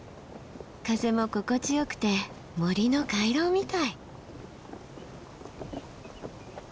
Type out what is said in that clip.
風も心地よくて森の回廊みたい。